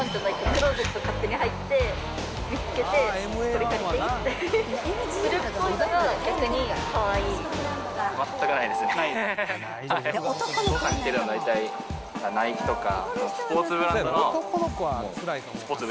クローゼット勝手に入って、見つけて、これ借りていい？って。